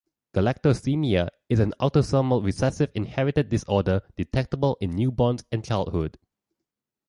Galactosemia is an autosomal recessive inherited disorder detectable in newborns and childhood.